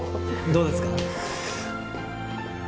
どうですか？